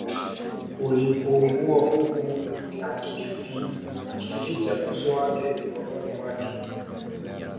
alipungua huku akiuficha uso wake mikononi mwake